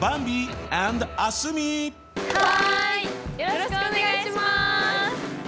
よろしくお願いします！